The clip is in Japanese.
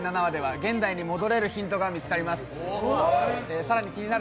今夜放送の第７話では、現代に戻れるヒントが見つかります。